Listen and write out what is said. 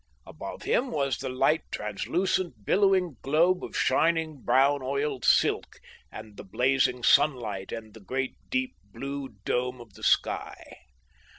Above him was the light, translucent, billowing globe of shining brown oiled silk and the blazing sunlight and the great deep blue dome of the sky.